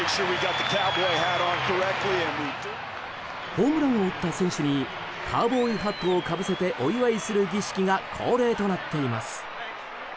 ホームランを打った選手にカウボーイハットをかぶせてお祝いする儀式が恒例となっています。